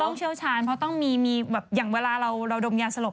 เชี่ยวชาญเพราะต้องมีแบบอย่างเวลาเราดมยาสลบ